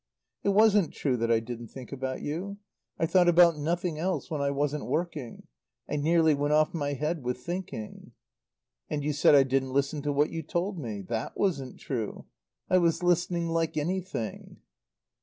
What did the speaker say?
"It wasn't true that I didn't think about you. I thought about nothing else when I wasn't working; I nearly went off my head with thinking. "And you said I didn't listen to what you told me. That wasn't true. I was listening like anything."